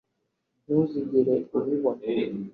ntuzigera ubibona